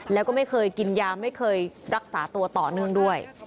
แล้วก็ไม่เคยกินยาไม่เคยรักษาตัวต่อเนื่องด้วย